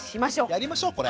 やりましょうこれ。